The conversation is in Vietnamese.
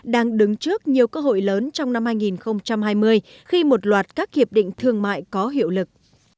đang đứng trước nhiều cơ hội lớn trong năm hai nghìn hai mươi khi một loạt các hiệp định thương mại có hiệu lực